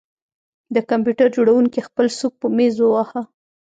د کمپیوټر جوړونکي خپل سوک په میز وواهه